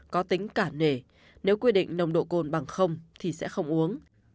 có tính cả nể nếu quy định nồng độ cồn bằng không thì sẽ không uống